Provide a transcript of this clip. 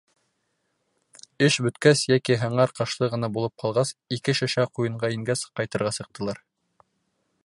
Эш бөткәс, йәки һыңар ҡашлы ғына булып ҡалғас, ике шешә ҡуйынға ингәс, ҡайтырға сыҡтылар.